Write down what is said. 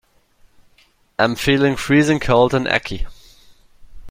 Am feeling freezing cold and achy.